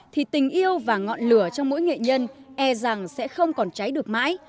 thì tình yêu và ngọn lửa trong mỗi nghệ nhân e rằng sẽ không còn cháy được mãi